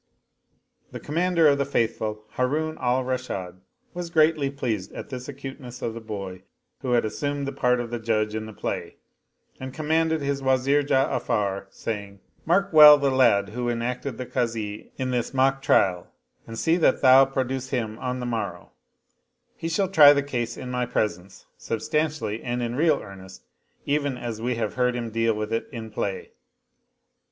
The Commander of the Faithful, Harun al Rashid, was greatly pleased at this acuteness of the boy who had assumed the part of judge in the play, and commanded his Wazir Ja'afar saying, " Mark well the lad who enacted the Kazi in this mock trial and see^that thou produce him on the morrow : he shall try the case in my presence substantially and in real earnest, even as we have heard him deal with it in play.